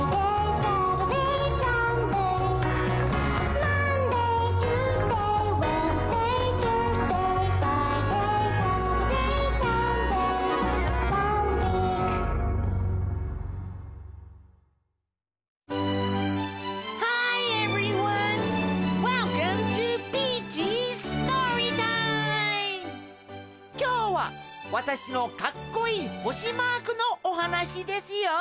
’ｓＳｔｏｒｙＴｉｍｅ．きょうはわたしのかっこいいほしマークのおはなしですよ。